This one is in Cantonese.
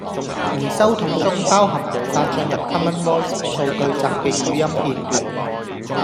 回收桶中包含無法進入 Common Voice 數據集既語音片段